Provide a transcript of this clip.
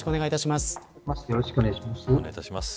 よろしくお願いします。